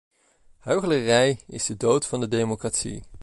Huichelarij is de dood van de democratie!